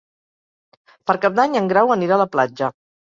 Per Cap d'Any en Grau anirà a la platja.